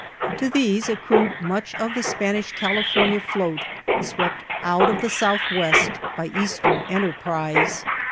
To these accrued much of the Spanish California float swept out of the southwest by eastern enterprise.